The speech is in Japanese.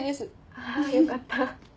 あぁよかった。